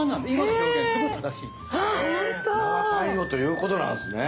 名は体をということなんすね。